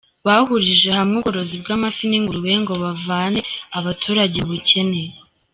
Bahurije hamwe ubworozi bw’amafi n’ingurube ngo bavane abaturage mu bukene